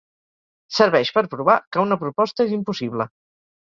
Serveix per provar que una proposta és impossible.